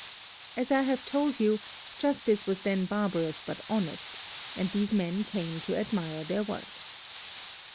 As I have told you, justice was then barbarous but honest, and these men came to admire their work.